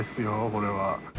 これは。